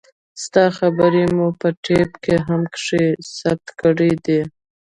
ستا خبرې مو په ټېپ هم کښې ثبت کړې دي.